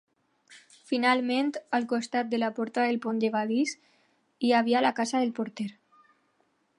Finalment, al costat de la porta del pont llevadís, hi havia la casa del porter.